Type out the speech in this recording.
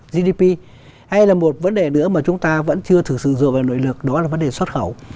gdp hay là một vấn đề nữa mà chúng ta vẫn chưa thực sự dựa vào nội lực đó là vấn đề xuất khẩu